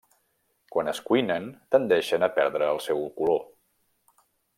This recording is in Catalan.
Quan es cuinen, tendeixen a perdre el seu color.